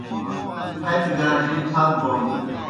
ہتی گاڙی پھت بون